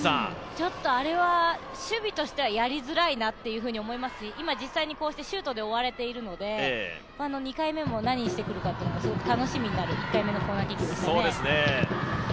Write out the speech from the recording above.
あれは守備としてはやりづらいなと思いますし今、実際にシュートでおわれているので、２回目も何してくるかというのがすごく楽しみになってくる１回目のコーナーキックですね。